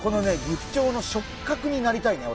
ギフチョウの触角になりたいね